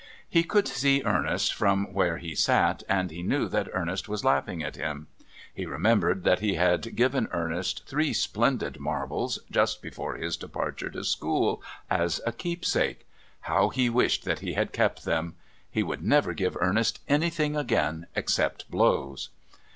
He could see Ernest from where he sat, and he knew that Ernest was laughing at him. He remembered that he had given Ernest three splendid marbles, just before his departure to school, as a keepsake. How he wished that he had kept them! He would never give Ernest anything again except blows.